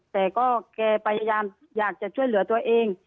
แต่ก็แกพยายามอยากจะช่วยเหลือตัวเอง